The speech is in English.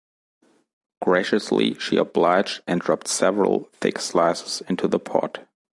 Graciously, she obliged and dropped several thick slices into the pot.